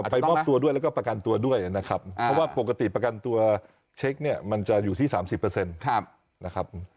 มอบตัวด้วยแล้วก็ประกันตัวด้วยนะครับเพราะว่าปกติประกันตัวเช็คเนี่ยมันจะอยู่ที่๓๐นะครับ